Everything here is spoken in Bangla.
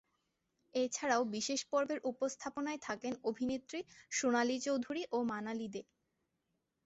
এছাড়াও বিশেষ পর্বের উপস্থাপনায় থাকেন অভিনেত্রী সোনালী চৌধুরী ও মানালি দে।